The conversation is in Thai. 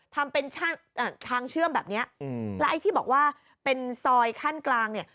ทำเป็นทางเชื่อมแบบเนี้ยอืมแล้วไอ้ที่บอกว่าเป็นซอยขั้นกลางเนี่ย